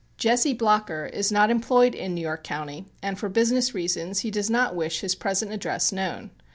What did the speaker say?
Jesse Blocher is not employed in New York County, and for business reasons he does not wish his present address known.